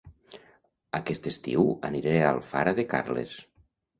Aquest estiu aniré a Alfara de Carles